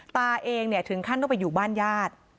ตาเองถึงขั้นต้องไปอยู่บ้านญาติ